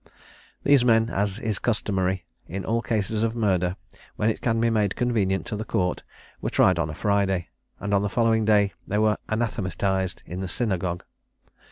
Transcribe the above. These men, as is customary in all cases of murder, when it can be made convenient to the Court, were tried on a Friday, and on the following day they were anathematised in the synagogue.